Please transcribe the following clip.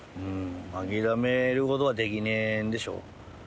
諦めることはできねえんでしょ。